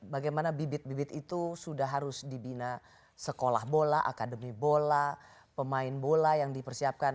bagaimana bibit bibit itu sudah harus dibina sekolah bola akademi bola pemain bola yang dipersiapkan